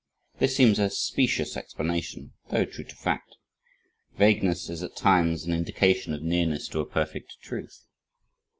This seems a specious explanation, though true to fact. Vagueness, is at times, an indication of nearness to a perfect truth.